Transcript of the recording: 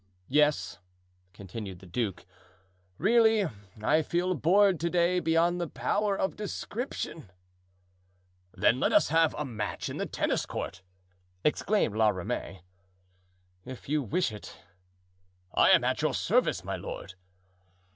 "Yes," continued the duke, "really, I feel bored today beyond the power of description." "Then let us have a match in the tennis court," exclaimed La Ramee. "If you wish it." "I am at your service, my lord."